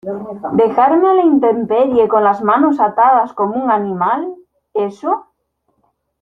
¿ dejarme a la intemperie con las manos atadas como un animal, eso?